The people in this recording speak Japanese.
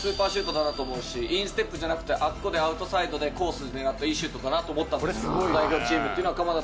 だなと思うしインステップじゃなくてあそこでアウトサイドでコース狙ったいいシュートだなと思ったんですよ。